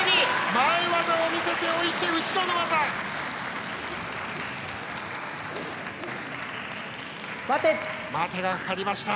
前技を見せておいて後ろの技でした。